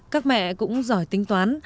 các mẹ cũng giỏi tính toán